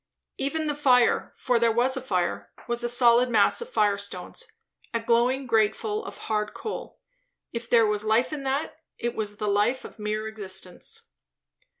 Even the fire, for there was a fire, was a solid mass of firestones; a glowing grateful of hard coal; if there was life in that, it was the life of mere existence.